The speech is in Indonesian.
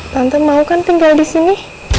tante mau kan tinggal di sini